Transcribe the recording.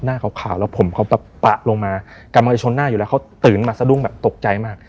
หน้าขาวแล้วผมเขาแบบปะลงมากำลังจะชนหน้าอยู่แล้วเขาตื่นมาสะดุ้งแบบตกใจมาก